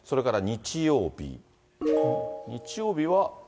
日曜日は。